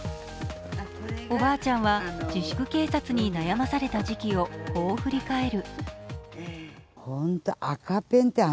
おばあちゃんは自粛警察に悩まされた時期をこう振り替える。